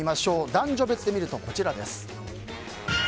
男女別で見るとこちらです。